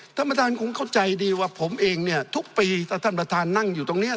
ท่านประธานคงเข้าใจดีว่าผมเองเนี่ยทุกปีถ้าท่านประธานนั่งอยู่ตรงนี้